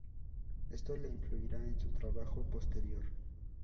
Esto le influirá en su trabajo posterior.